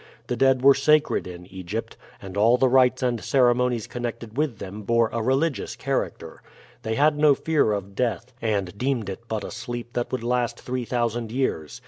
The dead were sacred in Egypt, and all the rites and ceremonies connected with them bore a religious character. They had no fear of death, and deemed it but a sleep that would last three thousand years.